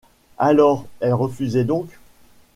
Alors, elle refusait donc ?